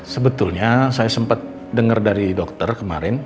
sebetulnya saya sempet denger dari dokter kemarin